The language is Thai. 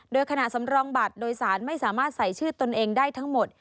โดยขณะสำรองบัตรโดยสารไม่สามารถใส่ชื่อตนเองได้ทั้งหมด